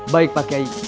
baik pak kyai